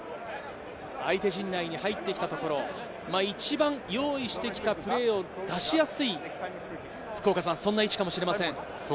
相手陣内に入ってきたところ、一番用意してきたプレーを出しやすい、そんな位置かもしれません。